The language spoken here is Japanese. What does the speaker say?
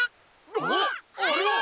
あっあれは！